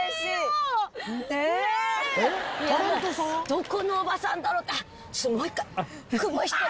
どこのおばさんだろうって。